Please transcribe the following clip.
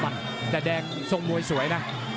แต่แดงทรงมวยสวยนะ